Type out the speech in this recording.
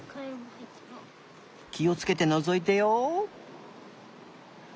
きをつけてのぞいてよ。